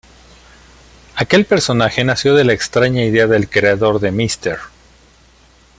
Aquel personaje nació de la extraña idea del creador de Mr.